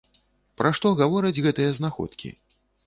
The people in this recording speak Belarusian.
Пра што гавораць гэтыя знаходкі?